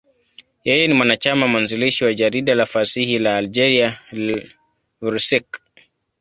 Yeye ni mwanachama mwanzilishi wa jarida la fasihi la Algeria, L'Ivrescq.